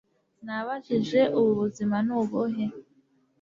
Nabajije Ubu buzima ni ubuhe